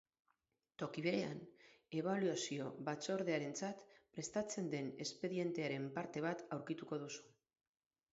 Toki berean, Ebaluazio Batzordearentzat prestatzen den espedientearen parte bat aurkituko duzu.